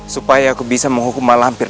supaya aku bisa menghukum malampir